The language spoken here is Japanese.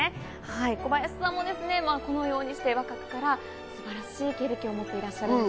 小林さんも、このように若くから素晴らしい経歴を持っていらっしゃいます。